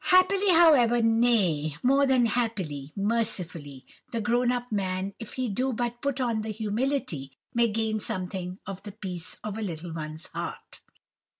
Happily, however—nay, more than happily, mercifully—the grown up man, if he do but put on the humility, may gain something of the peace of a "little one's" heart!